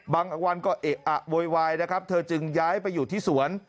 บางวันก็เอะอะโวยวายนะครับเธอจึงย้ายไปอยู่ที่สวน